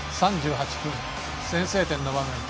３８分、先制点の場面。